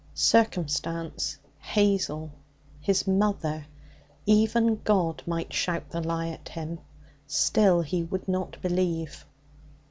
Circumstance, Hazel, his mother, even God might shout the lie at him. Still, he would not believe.